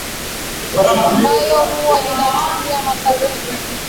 mbayo huwa inatumia makabila ili